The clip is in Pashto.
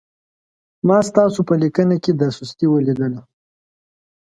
ما ستاسو په لیکنه کې دا سستي ولیدله.